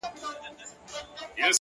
ستا د ښکلي مخ له رويه چي خوښيږي _